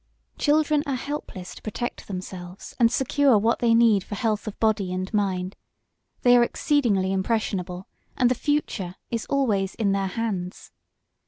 Children are helpless to protect themselves and secure what they need for health of body and mind; they are exceedingly impressionable; and the future is always in their hands.